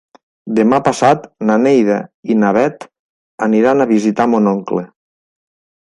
Demà passat na Neida i na Bet aniran a visitar mon oncle.